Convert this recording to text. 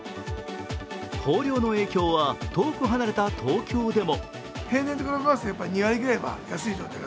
豊漁の影響は遠く離れた東京でも。